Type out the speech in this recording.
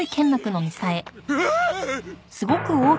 うわあっ！